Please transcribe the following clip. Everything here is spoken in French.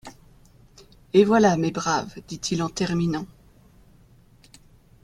Et voilà, mes braves! dit-il en terminant.